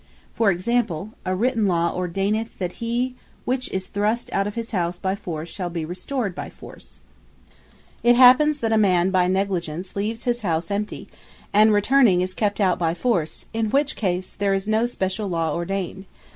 For Example, a written Law ordaineth, that he which is thrust out of his house by force, shall be restored by force: It happens that a man by negligence leaves his house empty, and returning is kept out by force, in which case there is no speciall Law ordained.